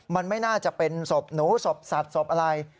มันไม่น่าจะเป็นศพหนูศพสัตว์ศพอะไร